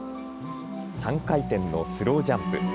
３回転のスロージャンプ。